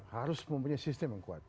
harus mempunyai sistem yang kuat